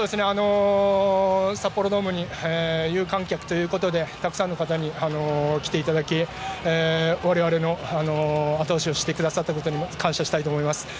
札幌ドームに有観客ということでたくさんの方に来ていただき我々のあと押しをしてくださったことに感謝したいと思います。